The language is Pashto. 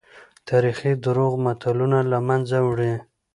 تاريخي دروغ ملتونه له منځه وړي.